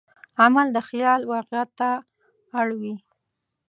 عمل د خیال واقعیت ته اړوي.